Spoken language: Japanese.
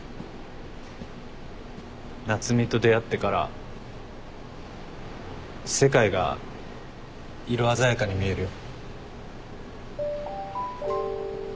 夏海と出会ってから世界が色鮮やかに見えるよ。